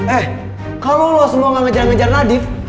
eh kalau lo semua gak ngejar ngejar nadif